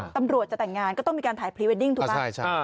ตำรวจจะแต่งงานก็ต้องมีการถ่ายพรีเวดดิ้งถูกไหม